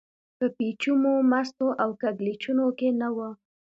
په پېچومو، مستو او کږلېچونو کې نه و.